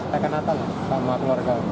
pekan natal sama keluarga